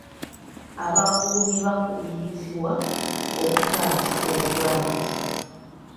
Abakuumi bakubirizibwa okutaasa obulamu.